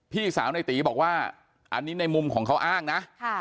พี่สาวในตีบอกว่าอันนี้ในมุมของเขาอ้างนะ